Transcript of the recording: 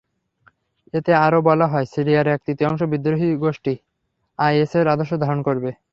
এতে আরও বলা হয়, সিরিয়ার এক-তৃতীয়াংশ বিদ্রোহী গোষ্ঠী আইএসের আদর্শ ধারণ করে।